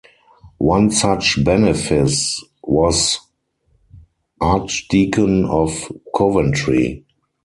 One such benefice was Archdeacon of Coventry.